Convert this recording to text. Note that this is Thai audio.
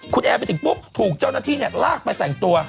คุณแอร์ไปถึงปุ๊บถูกเจ้าหน้าที่ลากไปแต่งตัว